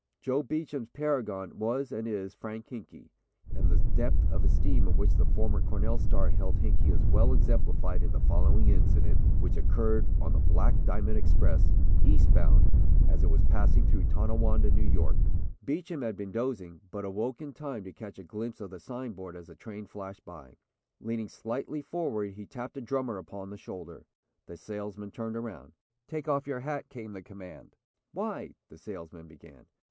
Joe Beacham's paragon was and is Frank Hinkey and the depth of esteem in which the former Cornell star held Hinkey is well exemplified in the following incident, which occurred on the Black Diamond Express, Eastbound, as it was passing through Tonawanda, New York. Beacham had been dozing, but awoke in time to catch a glimpse of the signboard as the train flashed by. Leaning slightly forward he tapped a drummer upon the shoulder. The salesman turned around. "Take off your hat," came the command. "Why?" the salesman began.